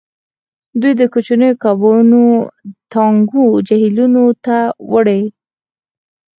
دوی د کوچنیو کبانو ټانکونه جهیلونو ته وړي